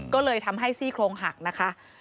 ก็เลยทำให้ซี่โครงหักนะคะ